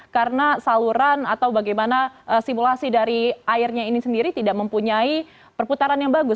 karena saluran atau bagaimana simulasi dari airnya ini sendiri tidak mempunyai perputaran yang bagus